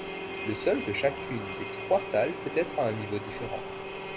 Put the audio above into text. Le sol de chacune des trois salles peut être à un niveau différent.